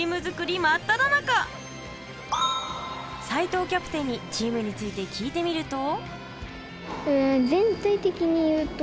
齋藤キャプテンにチームについて聞いてみると。